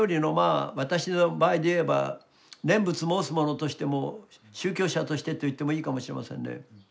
私の場合で言えば念仏申す者としても宗教者としてと言ってもいいかもしれませんね。